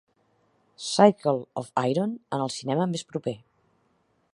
Circle of Iron en el cinema més proper